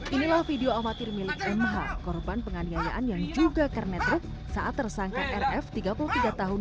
inilah video amatir milik mh korban penganiayaan yang juga kernet truk saat tersangka rf tiga puluh tiga tahun